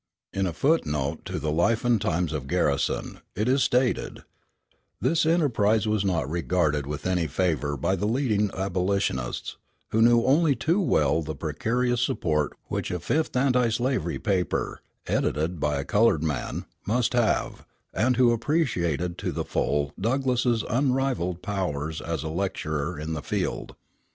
In a foot note to the Life and Times of Garrison it is stated: "This enterprise was not regarded with favor by the leading abolitionists, who knew only too well the precarious support which a fifth anti slavery paper, edited by a colored man, must have, and who appreciated to the full Douglass's unrivalled powers as a lecturer in the field